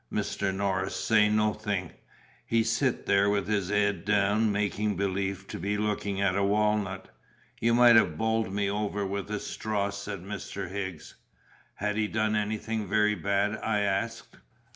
Mr. Norris say nothink: he sit there with his 'ead down, making belief to be looking at a walnut. You might have bowled me over with a straw," said Mr. Higgs. "Had he done anything very bad?" I asked.